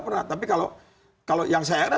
pernah tapi kalau yang saya rasa